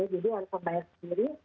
jadi harus pembayar sendiri